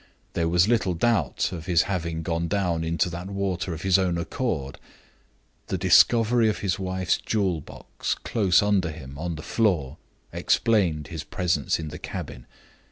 There was little doubt of his having gone down into that water of his own accord. The discovery of his wife's jewel box, close under him, on the floor, explained his presence in the cabin.